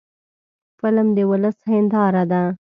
فلم د ولس هنداره ده